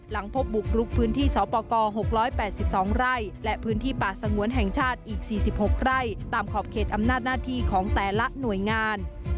หลังพบบุกรุกพื้นที่สปก๖๘๒ไร่และพื้นที่ป่าสงวนแห่งชาติอีก๔๖ไร่ตามขอบเขตอำนาจหน้าที่ของแต่ละหน่วยงาน